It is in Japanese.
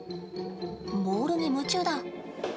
ボールに夢中だ。